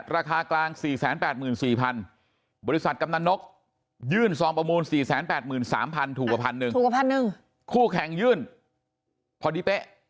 ราคากลาง๔๘๔๐๐๐บริษัทกำนันนกยื่นซองประมูล๔๘๓๐๐ถูกกว่า๑๐๐ถูกกว่า๑คู่แข่งยื่นพอดีเป๊ะ